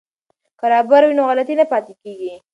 که رابر وي نو غلطي نه پاتې کیږي.